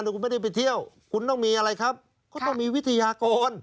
คุณไม่ได้ไปเที่ยวคุณต้องมีอะไรครับก็ต้องมีวิทยากร